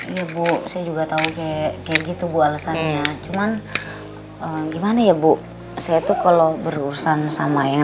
iya bu saya juga tahu kayak gitu bu alasannya cuman gimana ya bu saya tuh kalau berurusan sama ya